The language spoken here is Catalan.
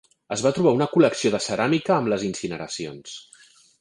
Es va trobar una col·lecció de ceràmica amb les incineracions.